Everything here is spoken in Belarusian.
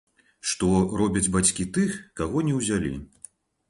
Што робяць бацькі тых, каго не ўзялі.